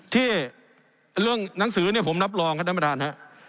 ที่เรื่องหนังสือเนี่ยผมรับรองครับท่านประธานฮะ